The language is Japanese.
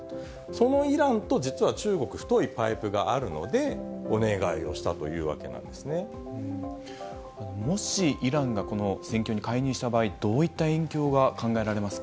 そのイランと実は中国と太いパイプがあるので、お願いをしたといもし、イランがこの戦況に介入した場合、どういった影響が考えられますか。